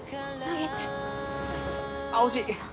あっ惜しい！